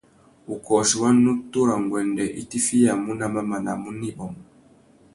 Wukôchi wa nutu râ nguêndê i tifiyamú nà mamana a mú nà ibômô.